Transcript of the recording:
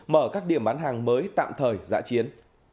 mở các điểm bán hàng mới tạm thời giã chiến